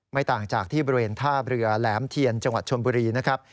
ต่างจากที่บริเวณท่าเรือแหลมเทียนจังหวัดชนบุรีนะครับ